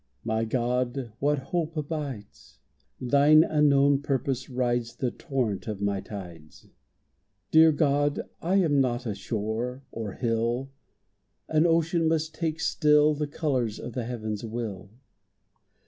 My God, What hope abides? Thine unknown purpose rides The torrent of my tides. Dear God, I am not a shore, or hill, An ocean must take still The colors of the heavens' will.